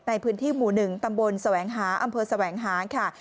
ในพื้นที่หมู่๑ตำบลแสวงหาอำเภอแสวงหาค่ะ